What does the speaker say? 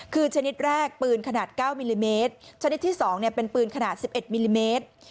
คือชนิดแรกปืนขนาด๙มิลลิเมตรชนิดที่๒เป็นปืนขนาด๑๑มิลลิเมตร